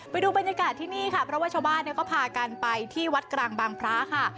ไปดูบรรยากาศที่นี่ค่ะเพราะว่าชาวบ้านเนี่ยก็พากันไปที่วัดกลางบางพระค่ะ